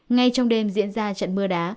ngay trong đêm diễn ra trận mưa đá